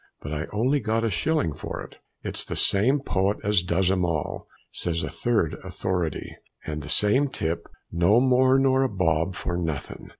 But I only got a shilling for it." "It's the same poet as does 'em all," says a third authority, "and the same tip: no more nor a bob for nothing."